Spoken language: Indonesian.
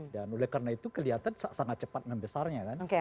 dan oleh karena itu kelihatan sangat cepat membesarnya kan